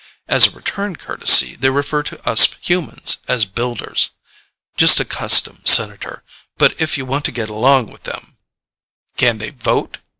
As a return courtesy, they refer to us humans as 'builders.' Just a custom, Senator, but if you want to get along with them " "Can they vote?"